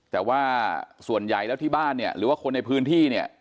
แต่ว่าส่วนใหญ่แล้วที่บ้านเนี่ยหรือว่าคนในพื้นที่เนี่ย